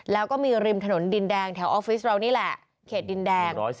แล้วก็มีริมถนนดินแดงแถวออฟฟิศเรานี่แหละเขตดินแดง